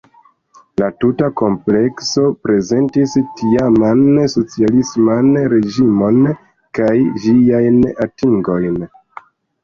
La tuta komplekso prezentis tiaman socialisman reĝimon kaj ĝiajn atingojn.